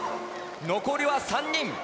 残りは３人。